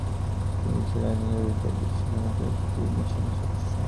তিনি ছিলেন ইহুদিদের বিশ্ব সংগঠন ফ্রি মিশনের সদস্য।